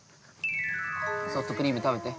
ソフトクリーム、食べて。